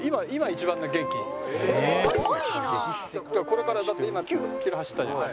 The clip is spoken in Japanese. これからだって今９キロ走ったじゃない。